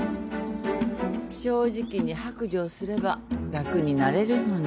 ・正直に白状すれば楽になれるのに。